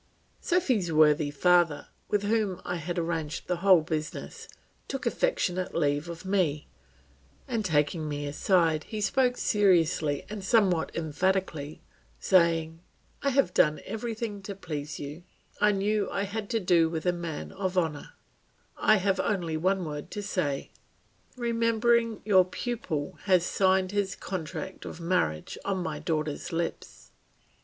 Sophy's worthy father, with whom I had arranged the whole business, took affectionate leave of me, and taking me aside, he spoke seriously and somewhat emphatically, saying, "I have done everything to please you; I knew I had to do with a man of honour; I have only one word to say. Remembering your pupil has signed his contract of marriage on my daughter's lips."